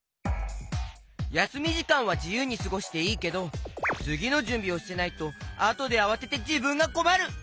やすみじかんはじゆうにすごしていいけどつぎのじゅんびをしてないとあとであわててじぶんがこまる！